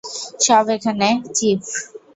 সব এখানে, চীফ!